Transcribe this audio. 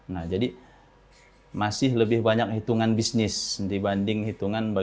nah jadi masih lebih banyak hitungan bisnis dibanding hitungan